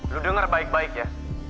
lu denger baik baik ya